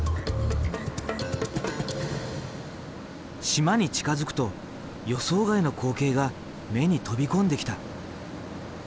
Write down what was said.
島に近づくと予想外の光景が目に飛び込んできた。